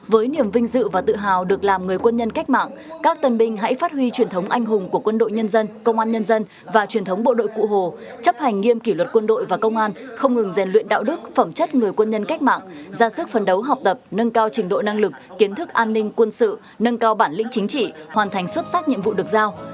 với niềm vinh dự và tự hào được làm người quân nhân cách mạng các tân binh hãy phát huy truyền thống anh hùng của quân đội nhân dân công an nhân dân và truyền thống bộ đội cụ hồ chấp hành nghiêm kỷ luật quân đội và công an không ngừng rèn luyện đạo đức phẩm chất người quân nhân cách mạng ra sức phấn đấu học tập nâng cao trình độ năng lực kiến thức an ninh quân sự nâng cao bản lĩnh chính trị hoàn thành xuất sắc nhiệm vụ được giao